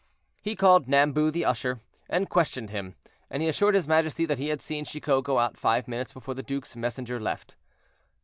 He called Nambu the usher, and questioned him, and he assured his majesty that he had seen Chicot go out five minutes before the duke's messenger left.